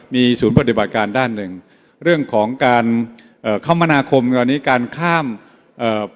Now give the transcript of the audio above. มีศูนย์ปฏิบัติการด้านหนึ่งเรื่องของการเอ่อคมนาคมตอนนี้การข้ามเอ่อ